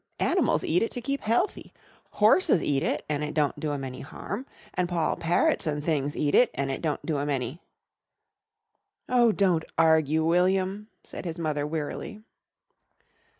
Animals eat it to keep healthy. Horses eat it an' it don't do 'em any harm, an' poll parrots an' things eat it an' it don't do 'em any " "Oh, don't argue, William," said his mother wearily.